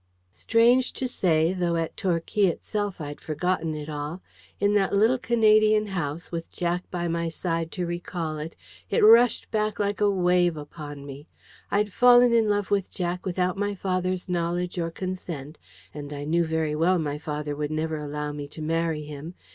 Strange to say, though at Torquay itself I'd forgotten it all, in that little Canadian house, with Jack by my side to recall it, it rushed back like a wave upon me. I'd fallen in love with Jack without my father's knowledge or consent; and I knew very well my father would never allow me to marry him.